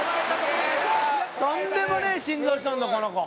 とんでもねえ心臓しとるぞこの子。